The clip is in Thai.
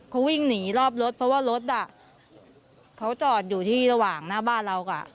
เขาวิ่งหนีรอบรถเพราะว่ารถอ่ะเขาจอดอยู่ที่ระหว่างหน้าบ้านเรากับ